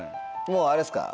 もうあれですか？